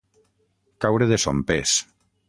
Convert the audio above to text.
Caure de son pes.